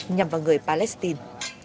nhằm vào người palestine